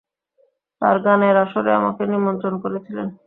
তাঁর গানের আসরে আমাকে নিমন্ত্রণ করেছিলেন।